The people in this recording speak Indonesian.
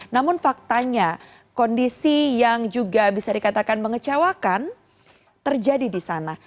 namun faktanya kondisi yang juga bisa dikatakan mengecewakan terjadi di sana